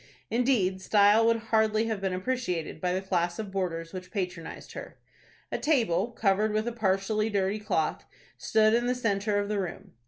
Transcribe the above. Indeed, style would hardly have been appreciated by the class of boarders which patronized her. A table, covered with a partially dirty cloth, stood in the centre of the room.